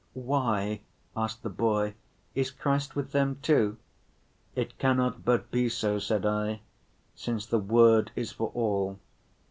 "Why," asked the boy, "is Christ with them too?" "It cannot but be so," said I, "since the Word is for all.